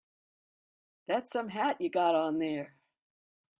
That's some hat you got on there.